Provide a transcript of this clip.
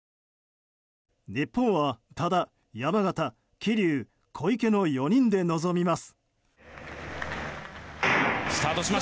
日本は多田、山縣、桐生、小池の４人で臨みます。